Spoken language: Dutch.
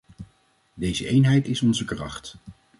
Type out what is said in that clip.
Deze eenheid is onze kracht.